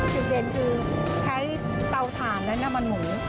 จุดเด่นคือใช้เตาถ่านและน้ำมันหมู